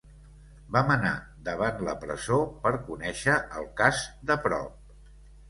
Vam anar davant la presó per conèixer el cas de prop.